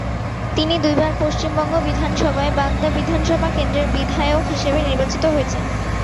তিনি দুইবার পশ্চিমবঙ্গ বিধানসভায় বাগদা বিধানসভা কেন্দ্রের বিধায়ক হিসেবে নির্বাচিত হয়েছেন।